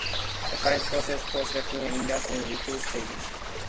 The current process for selecting inductees is two-staged.